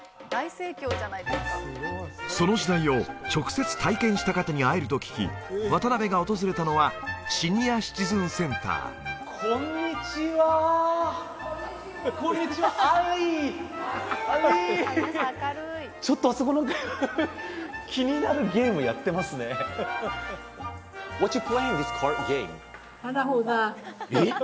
その時代を直接体験した方に会えると聞き渡部が訪れたのはシニアシチズンセンターこんにちはちょっとあそこの気になるゲームやってますねえっ！